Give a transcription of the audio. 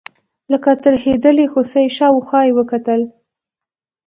لکه ترهېدلې هوسۍ شاوخوا یې وکتل.